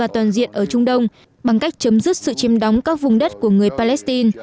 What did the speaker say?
toàn diện ở trung đông bằng cách chấm dứt sự chiêm đóng các vùng đất của người palestine